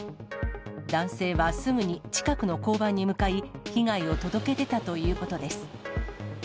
男性はすぐに近くの交番に向かい、被害を届け出たということです。